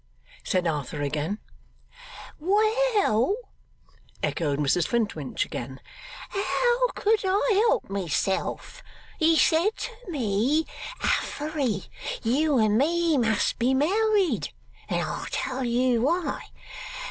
said Arthur again. 'Well?' echoed Mrs Flintwinch again. 'How could I help myself? He said to me, "Affery, you and me must be married, and I'll tell you why.